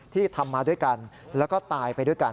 ที่ทำมาด้วยกันแล้วก็ตายไปด้วยกัน